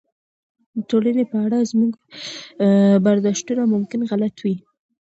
د ټولنې په اړه زموږ برداشتونه ممکن غلط وي.